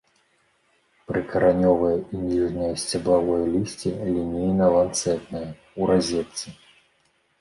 Прыкаранёвае і ніжняе сцябловае лісце лінейна-ланцэтнае, у разетцы.